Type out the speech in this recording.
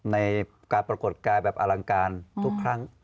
ในการปรากฏกายแบบอลังการทุกครั้ง